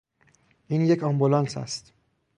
این یک آمبولانس است.